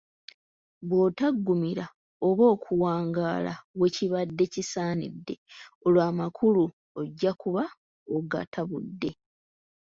Bw’otaggumira oba kuwangaala we kibadde kisaanidde olwo amakulu ojja kuba ogatabuudde.